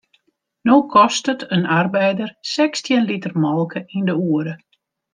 No kostet in arbeider sechstjin liter molke yn de oere.